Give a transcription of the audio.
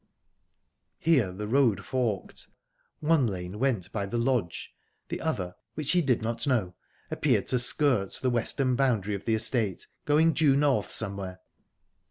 Here the road forked. One lane went by the lodge; the other, which she did not know, appeared to skirt the western boundary of the estate, going due north somewhere.